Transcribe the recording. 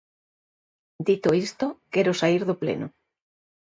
Dito isto, quero saír do pleno.